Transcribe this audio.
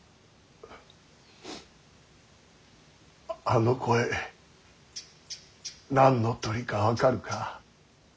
あの声何の鳥か分かるか。